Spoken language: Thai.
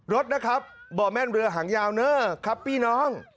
รถนะครับบ่อแม่นเรือหางยาวเนอร์ครับพี่น้อง